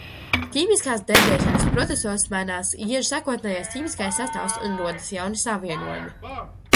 Ķīmiskās dēdēšanas procesos mainās iežu sākotnējais ķīmiskais sastāvs un rodas jauni savienojumi.